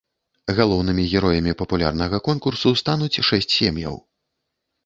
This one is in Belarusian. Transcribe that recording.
Галоўнымі героямі папулярнага конкурсу стануць шэсць сем'яў.